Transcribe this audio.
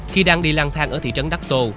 khi đang đi lang thang ở thị trấn đắc tô